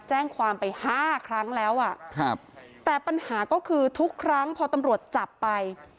แจ้งความไปห้าครั้งแล้วอ่ะครับแต่ปัญหาก็คือทุกครั้งพอตำรวจจับไป